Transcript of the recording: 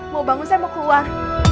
mau bangun saya mau keluar